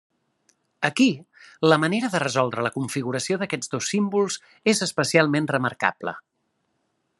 Aquí, la manera de resoldre la configuració d'aquests dos símbols és especialment remarcable.